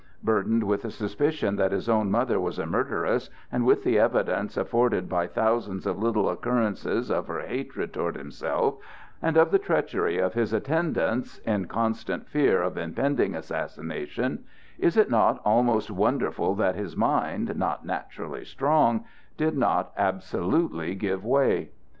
Burdened with the suspicion that his own mother was a murderess, and with the evidence afforded by thousands of little occurrences of her hatred toward himself, and of the treachery of his attendants, in constant fear of impending assassination,—is it not almost wonderful that his mind, not naturally strong, did not absolutely give way?